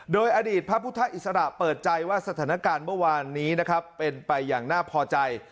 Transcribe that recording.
โดยอดีตพระพุทธอิสระเปิดใจว่าสถานการณ์เมื่อวานนี้นะครับเป็นไปอย่างน่าพอใจ